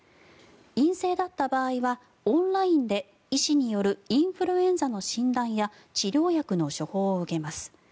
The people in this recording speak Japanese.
陰性だった場合はオンラインで医師によるインフルエンザの診断や治療薬の処方を受けます。